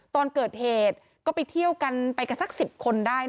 ตอนเกิดเหตุก็ไปเที่ยวกันไปกันสัก๑๐คนได้